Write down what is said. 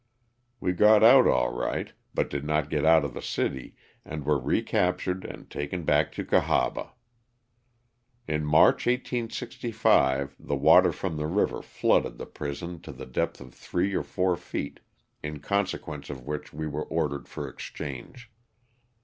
We got out all right, but did not get out of the city and were recaptured and taken back to Cahaba. In March, 1865, the water from the river flooded the prison to the depth of three or four feet, in consequence of which we were ordered for exchange.